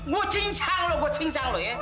gua cincang lu gua cincang lu ya